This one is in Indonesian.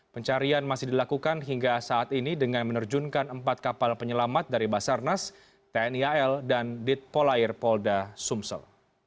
pencarian masih dilakukan hingga saat ini dengan menerjunkan empat kapal penyelamat dari basarnas tni al dan dit polair polda sumsel